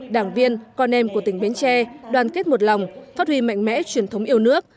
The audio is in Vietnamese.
đảng viên con em của tỉnh bến tre đoàn kết một lòng phát huy mạnh mẽ truyền thống yêu nước